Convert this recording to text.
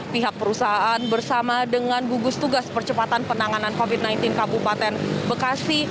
pihak perusahaan bersama dengan gugus tugas percepatan penanganan covid sembilan belas kabupaten bekasi